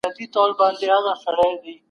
خلوت په معصيت کي د واقع کېدو سبب کيدلای سي.